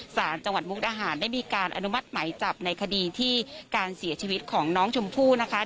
สารจังหวัดมุกดาหารได้มีการอนุมัติไหมจับในคดีที่การเสียชีวิตของน้องชมพู่นะคะ